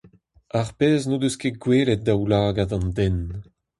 Ar pezh n’o deus ket gwelet daoulagad an den.